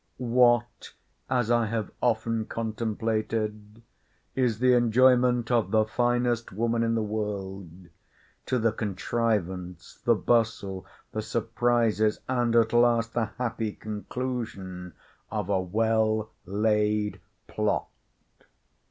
What, as I have often contemplated, is the enjoyment of the finest woman in the world, to the contrivance, the bustle, the surprises, and at last the happy conclusion of a well laid plot!